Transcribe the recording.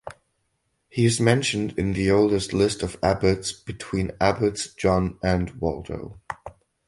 He is mentioned in the oldest list of abbots between Abbots John and Waldo.